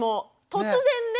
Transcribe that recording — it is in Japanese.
突然ね。